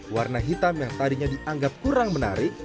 warna hitam yang tadinya dianggap kurang menarik